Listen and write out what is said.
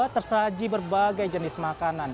tersaji berbagai jenis makanan